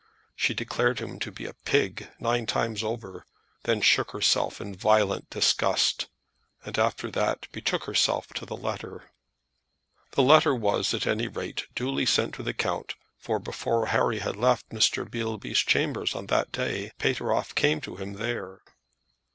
She declared him to be a pig nine times over, then shook herself in violent disgust, and after that betook herself to the letter. The letter was at any rate duly sent to the count, for before Harry had left Mr. Beilby's chambers on that day, Pateroff came to him there.